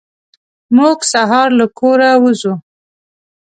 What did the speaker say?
موږ سهار له کوره وځو.